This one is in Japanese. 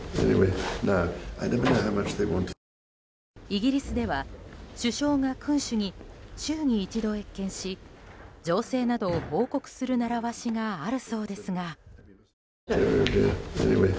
イギリスでは、首相が君主に週に１度謁見し情勢などを報告する習わしがあるそうですが。